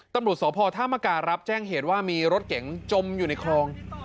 ตำรวจสพธไดธมากากรรมัสภาพรัฐแจ้งเหตุว่ามีรถเกล็งจมอยู่ในคลอง